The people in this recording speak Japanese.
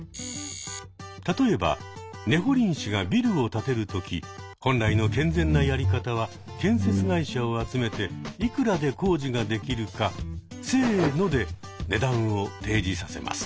例えばねほりん市がビルを建てるとき本来の健全なやり方は建設会社を集めていくらで工事ができるか「せの！」で値段を提示させます。